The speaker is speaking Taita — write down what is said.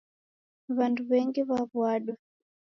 W'andu w'engi w'aw'uadwa